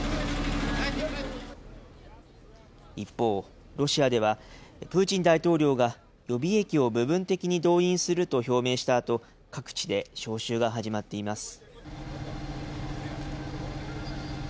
一方、ロシアでは、プーチン大統領が予備役を部分的に動員すると表明したあと、各地で招集が始まっています。